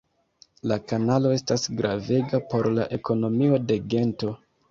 La kanalo estas gravega por la ekonomio de Gento.